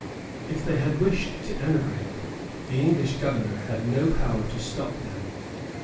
If they had wished to emigrate, the English governor had no power to stop them.